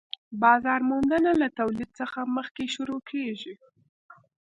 بازار موندنه له تولید څخه مخکې شروع کيږي